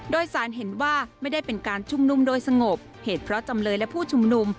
โดยสารเห็นว่าไม่ได้เป็นการชุมนุมโดยสงบเหตุเพราะจำเลยและผู้ชุมนุม